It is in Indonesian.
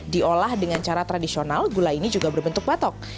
diolah dengan cara tradisional gula ini juga berbentuk batok